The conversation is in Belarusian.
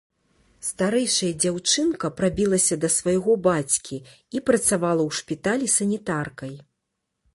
Старэйшая дзяўчынка прабілася да свайго бацькі і працавала ў шпіталі санітаркай.